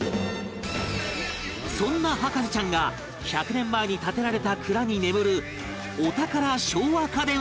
そんな博士ちゃんが１００年前に建てられた蔵に眠るお宝昭和家電を探す！